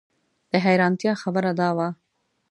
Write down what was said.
د حیرانتیا خبره دا وه.